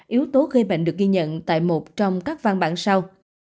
yếu tố gây bệnh được ghi nhận tại một trong các văn bản sau